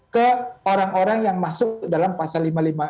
ke orang orang yang masuk dalam pasal lima ratus lima puluh enam